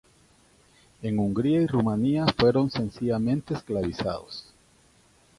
En Hungría y Rumanía fueron sencillamente esclavizados.